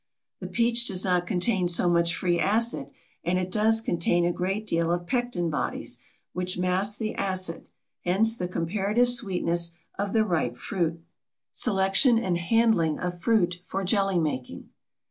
The peach does not contain so much free acid and it does contain a great deal of pectin bodies, which mask the acid; hence, the comparative sweetness of the ripe fruit. SELECTION AND HANDLING OF FRUIT FOR JELLY MAKING.